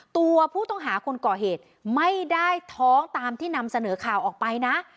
ตัวผู้ต้องหาคนก่อเหตุไม่ได้ท้องตามที่นำเสนอข่าวออกไปนะ